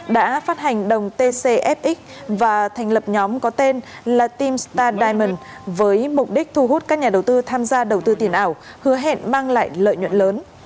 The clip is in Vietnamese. đã phát hành đồng tcf và thành lập nhóm có tên là tim star diamond với mục đích thu hút các nhà đầu tư tham gia đầu tư tiền ảo hứa hẹn mang lại lợi nhuận lớn